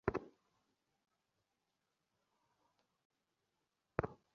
এটি বিভিন্ন সড়ক ঘুরে সেগুনবাগিচার শিল্পকলা একাডেমীর সামনে গিয়ে শেষ হয়।